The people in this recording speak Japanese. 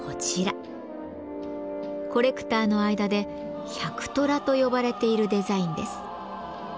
コレクターの間で「百虎」と呼ばれているデザインです。